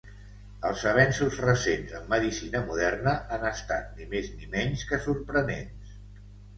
Els avenços recents en medicina moderna han estat ni més ni menys que sorprenents.